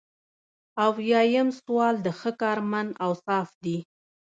اویایم سوال د ښه کارمند اوصاف دي.